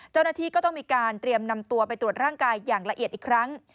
เจ้าหน้าที่ก็ต้องมีการเตรียมนำตัวไปตรวจร่างกายอย่างละเอียดอีกครั้ง